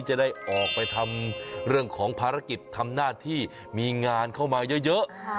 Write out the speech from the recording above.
จะได้ออกไปทำเรื่องของภารกิจทำหน้าที่มีงานเข้ามาเยอะ